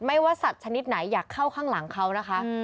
ว่าสัตว์ชนิดไหนอยากเข้าข้างหลังเขานะคะ